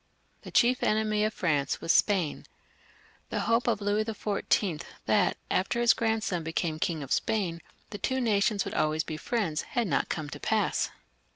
The chief enemy of France was Spain. The hope of Louis XIV., that after his grandson became King of Spain, the two nations would always be friends to one another, had not come to pass.